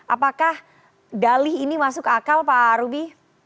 apakah dalih ini masuk akal pak rubi